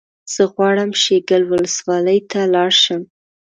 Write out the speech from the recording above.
زه غواړم شیګل ولسوالۍ ته لاړ شم